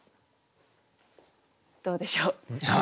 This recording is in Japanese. どうでしょう？